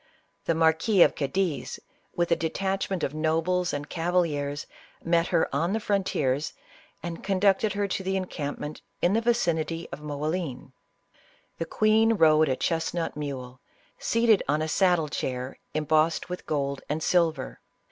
The Marquis of Cadiz, with a detachment of nobles and cavaliers met her on the frontiers, and conducted her to the encamp ment in the vicinity of Moclin. " The queen rode a chestnut mule, seated on a saddle chair, embossed with gold and silver.